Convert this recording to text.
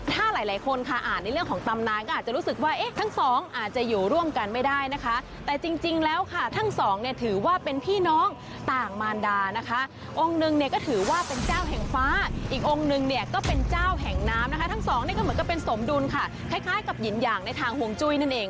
ถ้าหลายคนค่ะอ่านในเรื่องของตำนานก็อาจจะรู้สึกว่าเอ๊ะทั้งสองอาจจะอยู่ร่วมกันไม่ได้นะคะแต่จริงแล้วค่ะทั้งสองเนี่ยถือว่าเป็นพี่น้องต่างมารดานะคะองค์หนึ่งเนี่ยก็ถือว่าเป็นเจ้าแห่งฟ้าอีกองค์นึงเนี่ยก็เป็นเจ้าแห่งน้ำนะคะทั้งสองนี่ก็เหมือนกับเป็นสมดุลค่ะคล้ายกับหินอย่างในทางห่วงจุ้ยนั่นเอง